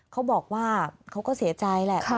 เขาบอกว่าเขาก็เสียใจแหละ